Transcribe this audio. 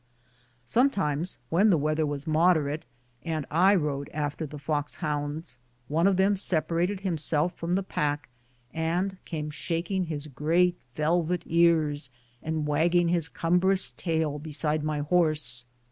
Sometimes, when the weather was moderate, and I rode after the fox hounds, one of them separated him self from the pack, and came shaking his great, velvet ears and wagging his cumbrous tail beside my horse.